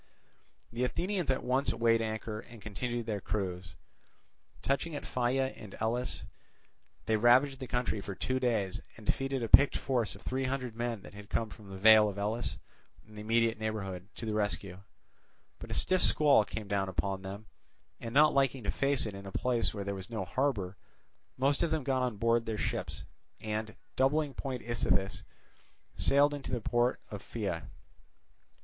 The Athenians at once weighed anchor and continued their cruise. Touching at Pheia in Elis, they ravaged the country for two days and defeated a picked force of three hundred men that had come from the vale of Elis and the immediate neighbourhood to the rescue. But a stiff squall came down upon them, and, not liking to face it in a place where there was no harbour, most of them got on board their ships, and doubling Point Ichthys sailed into the port of Pheia.